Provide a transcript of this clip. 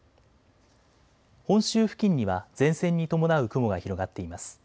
本州付近には前線に伴う雲が広がっています。